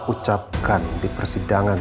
ucapkan di persidangan